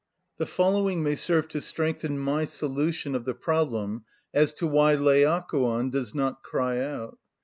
The following may serve to strengthen my solution of the problem as to why Laocoon does not cry out.